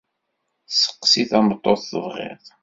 Seqsi tameṭṭut tebɣiḍ.